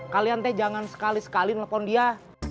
kalian teh jangan sekali sekali nelpon dia